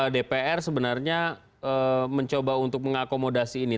dpr sebenarnya mencoba untuk mengakomodasi ini